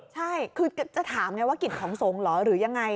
ใช่คือจะถามไงว่ากิจของสงฆ์เหรอหรือยังไง